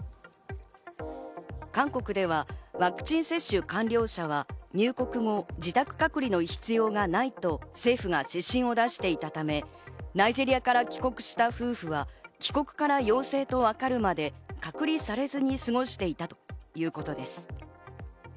韓国ではワクチン接種完了者は入国後、自宅隔離の必要がないと政府が指針を出していたため、ナイジェリアから帰国した夫婦は帰国から陽性とわかるまで隔離されずに過ごしていたということです。